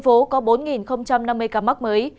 tp hcm có bốn năm mươi ca mắc mới